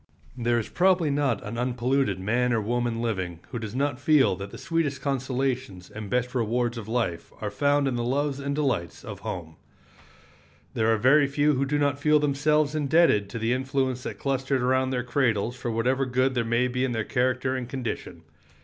There is probably not an unpolluted man or woman living who does not feel that the sweetest consolations and best rewards of life are found in the loves and delights of home. There are very few who do not feel themselves indebted to the influence that clustered around their cradles for whatever good there may be in their character and condition.